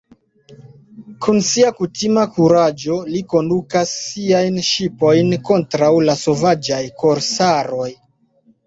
Kun sia kutima kuraĝo li kondukas siajn ŝipojn kontraŭ la sovaĝaj korsaroj.